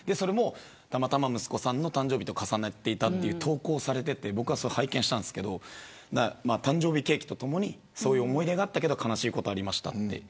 たまたま息子さんの誕生日と重なっていたと投稿されていて拝見したんですけど誕生日ケーキとともにそういう思い出があったけど悲しいことがありましたと。